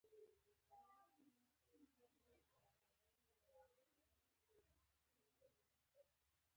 شپه مې په ښار کښې د يوه خپلوان کره وه.